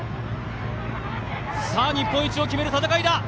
さあ日本一を決める戦いだ！